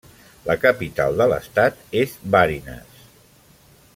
La capital de l'estat és Barinas.